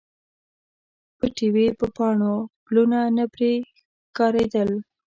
پټې وې په پاڼو، پلونه نه پرې ښکاریدل